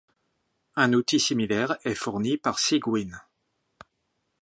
Un outil similaire est fourni par Cygwin.